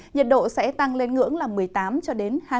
nhiệt độ sẽ tăng lên ngưỡng một mươi tám hai mươi độ